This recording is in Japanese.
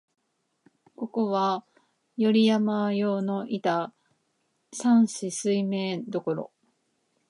ここは、頼山陽のいた山紫水明処、